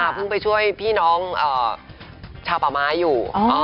เพิ่งไปช่วยพี่น้องชาวป่าไม้อยู่